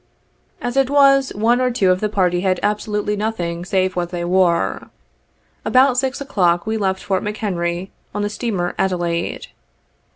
As it was, one or two of the party had absolutely nothing save what they wore. About 6 o'clock we left Fort McHenry on the steamer Adelaide.